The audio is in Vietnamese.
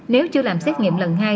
nếu chưa làm xét nghiệm lần hai